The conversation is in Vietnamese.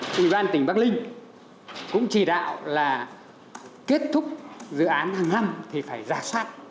chủ đoàn tỉnh bắc ninh cũng chỉ đạo là kết thúc dự án hàng năm thì phải giả sát